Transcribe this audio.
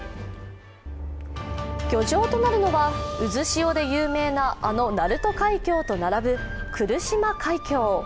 漁場となるのは、渦潮で有名なあの鳴門海峡と並ぶ来島海峡。